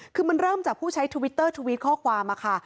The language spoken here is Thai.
คือมันเริ่มจากผู้ใช้ทวิตเตอร์ทวิตข้อความมาค่ะ